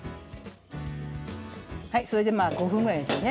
それで５分ぐらいですね。